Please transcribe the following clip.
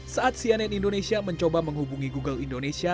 saat cnn indonesia mencoba menghubungi google indonesia